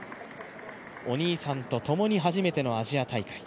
お兄さんと共に初めてのアジア大会。